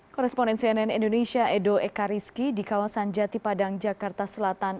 koresponen cnn indonesia edo ekariski di kawasan jati padang jakarta selatan